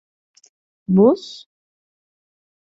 Buz?